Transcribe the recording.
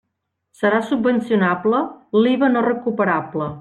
Serà subvencionable l'IVA no recuperable.